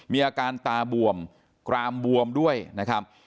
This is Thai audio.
มีอาการตาบวมกรามบวมด้วยนะครับ